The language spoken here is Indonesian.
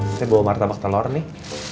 saya bawa martabak telur nih